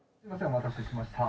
お待たせしました。